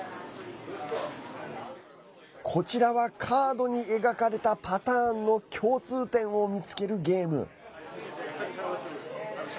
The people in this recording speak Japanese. こちらはカードに描かれたパターンの共通点を見つけるゲーム。